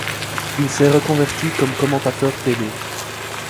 Il s'est reconverti comme commentateur télé.